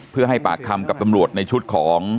เพื่อให้ปากคำกับตำรวจในชุดของ